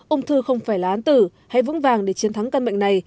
ung thư không phải là án tử hay vũng vàng để chiến thắng căn bệnh này